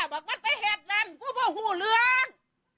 บอกมันไปเห็ดมันกูบอกหูเรือง